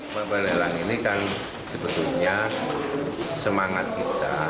mobil nelang ini kan sebetulnya semangat kita